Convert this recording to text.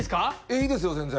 いいですよ全然。